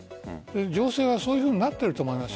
情勢はそういうふうになっていると思います。